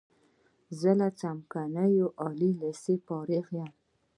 زه له څمکنیو عالی لیسې فارغ یم.